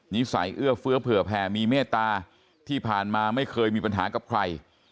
นิสัยเอื้อเฟื้อเผื่อแผ่มีเมตตาที่ผ่านมาไม่เคยมีปัญหากับใคร